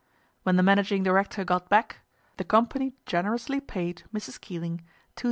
When the managing director got back, the company generously paid Mrs. Keeling £2100.